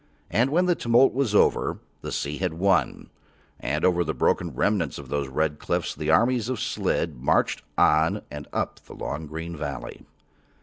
And when the tumult was over the sea had won, and over the broken remnants of those red cliffs the armies of Slid marched on and up the long green valley.